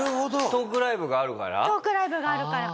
トークライブがあるから。